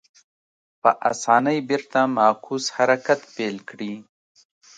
په اسانۍ بېرته معکوس حرکت پیل کړي.